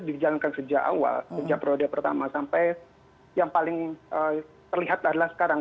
dijalankan sejak awal sejak periode pertama sampai yang paling terlihat adalah sekarang